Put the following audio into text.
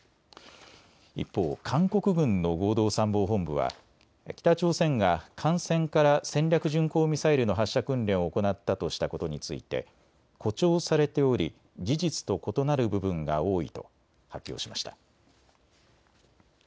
一方、韓国軍の合同参謀本部は北朝鮮が艦船から戦略巡航ミサイルの発射訓練を行ったとしたことについて、誇張されており事実と異なる部分が多いと発表しました。